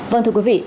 vâng thưa quý vị